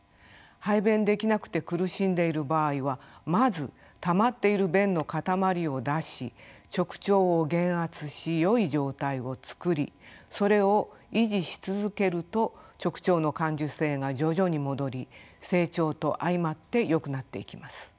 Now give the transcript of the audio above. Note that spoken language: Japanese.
排便できなくて苦しんでいる場合はまずたまっている便の塊を出し直腸を減圧しよい状態を作りそれを維持し続けると直腸の感受性が徐々に戻り成長と相まってよくなっていきます。